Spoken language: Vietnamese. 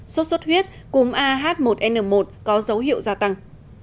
sốt suốt huyết cùng ah một n một có dấu hiệu gia tăng